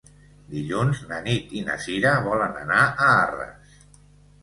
Dilluns na Nit i na Cira volen anar a Arres.